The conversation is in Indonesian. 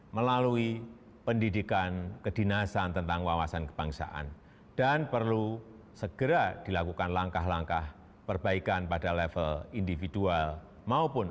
melalui pendidikan kedinasan tentang wawasan kebangsaan